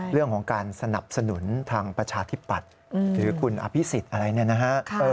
เรื่องของการสนับสนุนทางประชาธิปัตย์หรือคุณอภิษฎอะไรเนี่ยนะฮะ